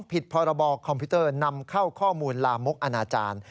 ผิดพรบคอมพิวเตอร์นำเข้าข้อมูลลามกอนาจารย์